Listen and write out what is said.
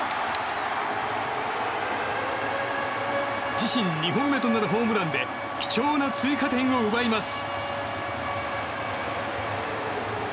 自身２本目となるホームランで貴重な追加点を奪います。